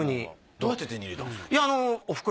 どうやって手に入れたんですか？